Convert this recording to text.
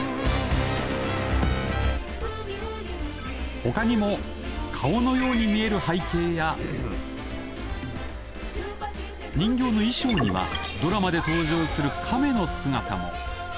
ほかにも顔のように見える背景や人形の衣装にはドラマで登場する亀の姿も。